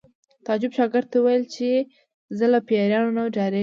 تعجب شاګرد ته وویل چې زه له پیریانو نه ډارېږم